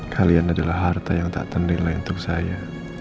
kalian adalah harta yang tak ternilai untuk saya